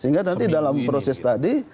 sehingga nanti dalam proses tadi